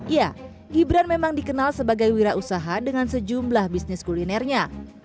ya gibran memang dikenal sebagai wira usaha dengan sejumlah bisnis kulinernya